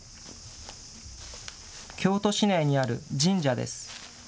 京都市内にある神社です。